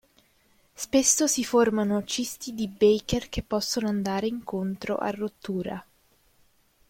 Spesso si formano cisti di Baker che possono andare incontro a rottura.